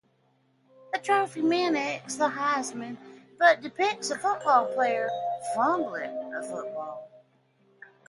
The trophy mimics the Heisman, but depicts a player fumbling a football.